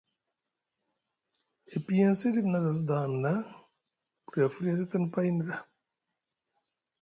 E piyinisi ɗif na aza sda hanɗa buri a firya a sitini payni ɗa.